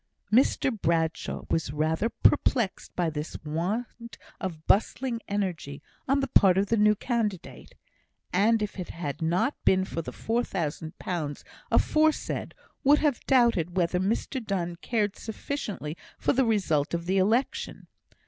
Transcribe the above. Mr Bradshaw was rather perplexed by this want of bustling energy on the part of the new candidate; and if it had not been for the four thousand pounds aforesaid, would have doubted whether Mr Donne cared sufficiently for the result of the election.